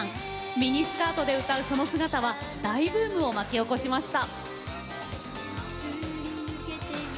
ミニスカートで歌うその姿は大ブームを巻き起こしました。